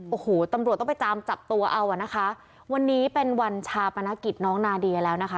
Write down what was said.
โอ้โหตำรวจต้องไปตามจับตัวเอาอ่ะนะคะวันนี้เป็นวันชาปนกิจน้องนาเดียแล้วนะคะ